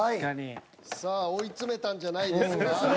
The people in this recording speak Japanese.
さあ追い詰めたんじゃないですか。